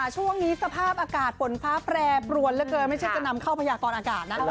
ช่วงนี้สภาพอากาศฝนฟ้าแปรปรวนเหลือเกินไม่ใช่จะนำเข้าพยากรอากาศนะ